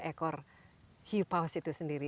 ekor hiupaus itu sendiri